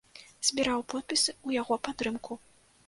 Збіраў подпісы ў яго падтрымку.